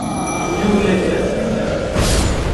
Yura-yas izen.